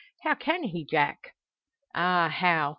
"How can he, Jack?" "Ah, how!